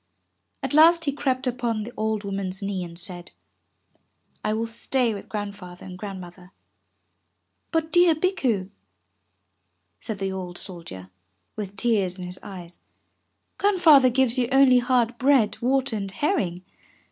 At last he crept upon the old woman's knee and said, "I will stay with Grandfather and Grand mother." "But, dear Bikku," said the old soldier, with tears in his eyes, "Grandfather gives you only hard bread, water and herring.